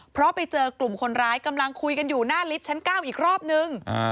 เพราะไปเจอกลุ่มคนร้ายกำลังคุยกันอยู่หน้าลิฟท์ชั้น๙อีกรอบนึง